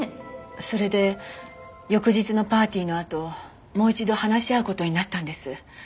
それで翌日のパーティーのあともう一度話し合う事になったんです。